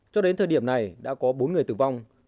cho đến thời điểm này đã có bốn người tử vong